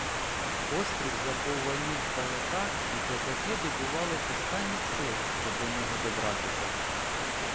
Острів забовванів здалека, і козаки добували останніх сил, щоб до нього добратися.